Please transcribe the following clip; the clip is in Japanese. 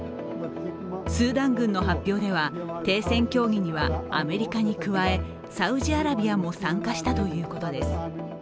スーダン軍の発表では停戦協議にはアメリカに加えサウジアラビアも参加したということです。